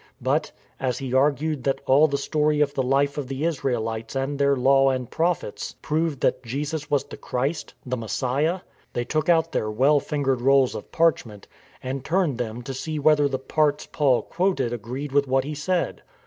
But, as he argued that all the story of the life of the Israelites and their Law and Prophets proved that Jesus was the Christ — the Messiah — they took out their well fingered rolls of parchment, and turned them to see whether the parts Paul quoted agreed with what he said.